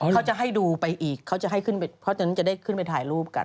เขาจะให้ดูไปอีกเพราะฉะนั้นจะได้ขึ้นไปถ่ายรูปกัน